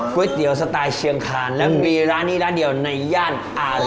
เตี๋ยวสไตล์เชียงคานและมีร้านนี้ร้านเดียวในย่านอารี